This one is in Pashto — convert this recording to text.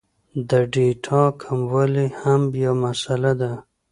د ډېټا کموالی هم یو مسئله ده